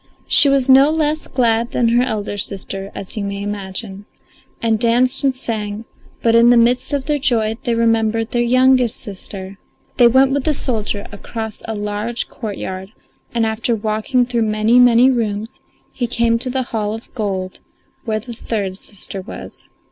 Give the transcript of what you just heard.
She was no less glad than her elder sister, as you may imagine, and danced and sang; but in the midst of their joy they remembered their youngest sister. They went with the soldier across a large courtyard, and, after walking through many, many rooms, he came to the hall of gold where the third sister was.